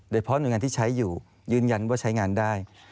โดยเพราะหน่วยงานที่ใช้อยู่ยืนยันว่าใช้งานได้